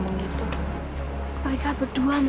sepertinya ada masalah pak butuh bantuan saya